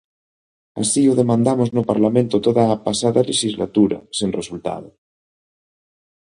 Así o demandamos no Parlamento toda a pasada lexislatura sen resultado.